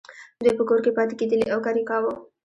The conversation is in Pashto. دوی په کور کې پاتې کیدلې او کار یې کاوه.